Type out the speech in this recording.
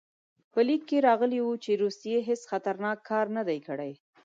په لیک کې راغلي وو چې روسیې هېڅ خطرناک کار نه دی کړی.